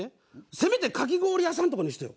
せめて「かき氷屋さん」とかにしてよ。